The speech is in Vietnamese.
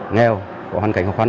nghèo có hoàn cảnh khó khăn